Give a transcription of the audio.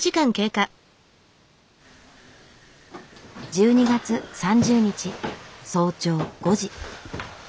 １２月３０日早朝５時。